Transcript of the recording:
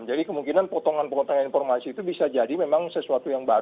jadi kemungkinan potongan potongan informasi itu bisa jadi memang sesuatu yang baru